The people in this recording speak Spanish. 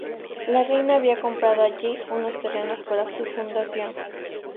La reina había comprado allí unos terrenos para su fundación.